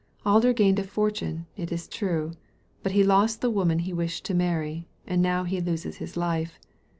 Alder gained a fortune, it is true ; but he lost the woman he wished to marry, and now he loses his life.